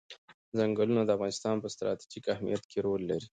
چنګلونه د افغانستان په ستراتیژیک اهمیت کې رول لري.